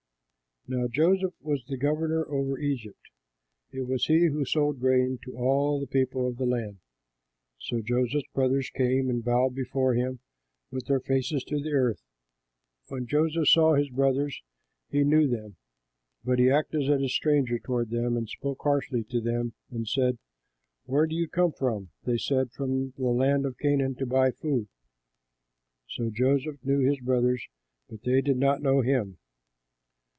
Now Joseph was the governor over Egypt; it was he who sold grain to all the people of the land. So Joseph's brothers came and bowed before him with their faces to the earth. When Joseph saw his brothers, he knew them; but he acted as a stranger toward them and spoke harshly to them and said, "Where do you come from?" They said, "From the land of Canaan to buy food." So Joseph knew his brothers, but they did not know him.